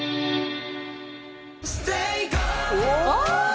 ああ！